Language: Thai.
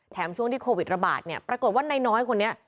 แถมช่วงที่โควิดระบาดปรากฏว่าน้อยคนนี้